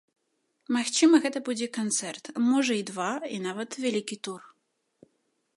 Магчыма, гэта будзе канцэрт, можа, і два, і нават вялікі тур.